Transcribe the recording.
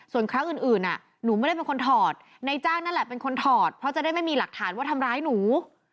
ส่วนครั้งอื่นหนูไม่ได้เป็นคนถอดนายจ้างนั่นแหละเป็นคนถอดเพราะจะได้ไม่มีหลักฐานว่าทำร้ายหนู